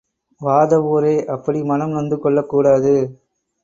வாதவூரே, அப்படி மனம் நொந்து கொள்ளக் கூடாது.